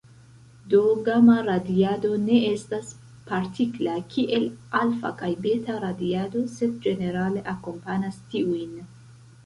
Do, gama-radiado ne estas partikla kiel alfa- kaj beta-radiado, sed ĝenerale akompanas tiujn.